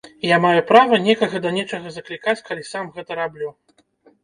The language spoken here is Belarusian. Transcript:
Я маю права некага да нечага заклікаць калі сам гэта раблю.